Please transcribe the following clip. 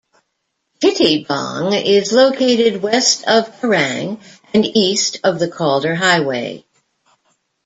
Tittybong is located west of Kerang and east of the Calder Highway.